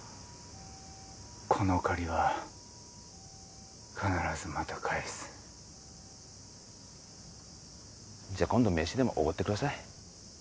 この借りは必ずまた返すじゃ今度飯でもおごってください